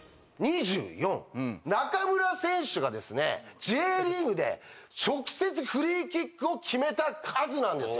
中村選手がですねＪリーグで直接フリーキックを決めた数なんですよ。